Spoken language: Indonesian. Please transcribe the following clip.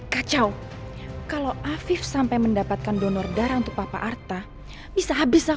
kacau kalau afif sampai mendapatkan donor darah untuk papa arta bisa habis aku